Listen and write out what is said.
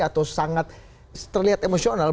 atau sangat terlihat emosional